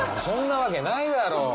そんなわけないだろ！